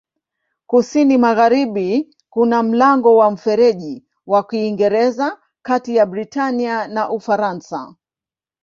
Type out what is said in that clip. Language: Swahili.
Kusini-magharibi kuna mlango wa Mfereji wa Kiingereza kati ya Britania na Ufaransa.